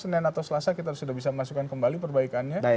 senin atau selasa kita sudah bisa masukkan kembali perbaikannya